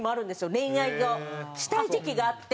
恋愛をしたい時期があって。